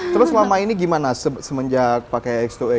terus selama ini gimana semenjak pakai x dua x